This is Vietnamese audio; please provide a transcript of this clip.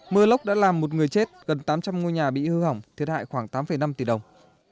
mưa lốc đã làm một người chết gần tám trăm linh ngôi nhà bị hư hỏng thiệt hại khoảng tám năm tỷ đồng